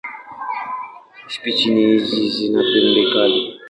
Spishi hizi zina pembe kali.